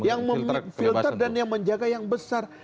yang memfilter dan yang menjaga yang besar